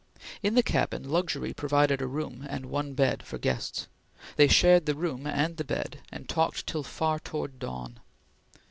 In the cabin, luxury provided a room and one bed for guests. They shared the room and the bed, and talked till far towards dawn.